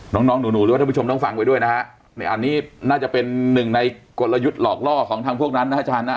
น้องน้องหนูหรือว่าท่านผู้ชมต้องฟังไว้ด้วยนะฮะอันนี้น่าจะเป็นหนึ่งในกลยุทธ์หลอกล่อของทางพวกนั้นนะอาจารย์นะ